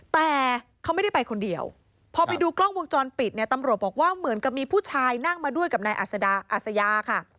แต่เขาไม่ได้ไปคนเดียวพอไปดูกล้องวงจรปิดเนี่ยตำรวจบอกว่าเหมือนกับมีผู้ชายนั่งมาด้วยกับนายอัศยาค่ะ